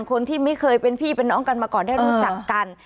คนที่ไม่เคยเป็นพี่เป็นน้องกันมาก่อนได้รู้จักกัน